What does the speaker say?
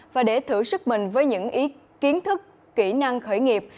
và để thử sức mình với những kiến thức kỹ năng khởi nghiệp